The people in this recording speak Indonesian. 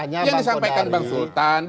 yang disampaikan bang sultan